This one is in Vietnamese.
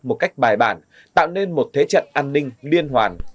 một cách bài bản tạo nên một thế trận an ninh liên hoàn